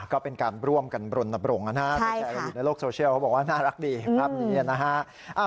ก็เป็นการร่วมกันบรรณบร่งนะครับอยู่ในโลกโซเชียลว่าน่ารักดีภาพนี้นะฮะ